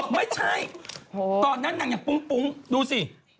ไม่ใช่ตอนนั้นนางยังปุ้งดูสิ